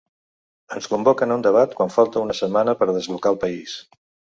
Ens convoquen a un debat quan falta una setmana per a desblocar el país.